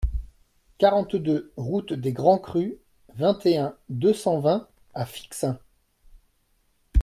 quarante-deux route des Grands Crus, vingt et un, deux cent vingt à Fixin